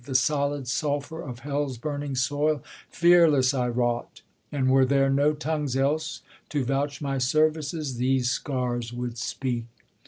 The solid sulphur of hell's burning soil, Fearless I wrought, and, were there no tongues else To vouch my services, these scars would speak.